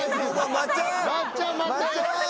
松ちゃん待って。